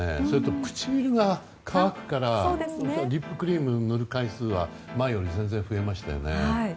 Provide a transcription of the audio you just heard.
それと唇が渇くからリップクリーム塗る回数が前より全然増えましたよね。